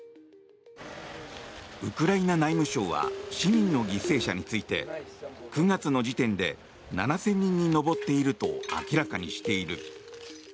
ウクライナ内務省は市民の犠牲者について９月の時点で７０００人に上っていると明らかにしている。